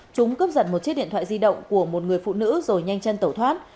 chúng cướp giật một chiếc điện thoại di động của một người phụ nữ rồi nhanh chân tẩu thoát